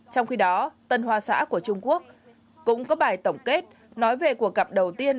trong khi đó tân hoa xã của trung quốc cũng có bài tổng kết nói về cuộc gặp đầu tiên